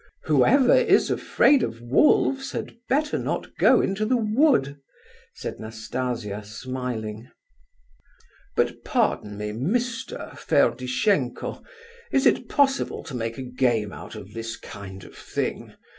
"Whoever is afraid of wolves had better not go into the wood," said Nastasia, smiling. "But, pardon me, Mr. Ferdishenko, is it possible to make a game out of this kind of thing?"